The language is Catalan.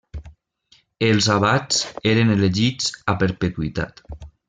Els abats eren elegits a perpetuïtat.